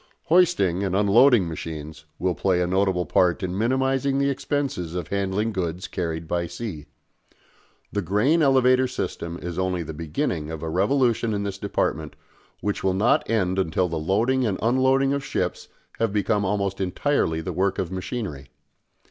Hoisting and unloading machines will play a notable part in minimising the expenses of handling goods carried by sea. The grain elevator system is only the beginning of a revolution in this department which will not end until the loading and unloading of ships have become almost entirely the work of machinery.